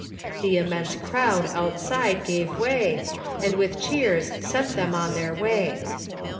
The immense crowd outside gave way, and with cheers sent them on their way.